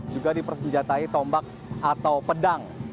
juga dipersenjatai tombak atau pedang